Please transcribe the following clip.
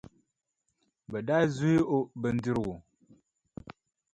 Bɛ daa zuhi o bindirigu.